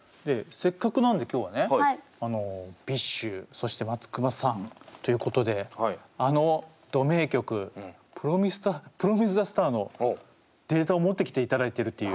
せっかくなんで今日はねＢｉＳＨそして松隈さんということであのド名曲「プロミスザスター」のデータを持ってきていただいてるっていう。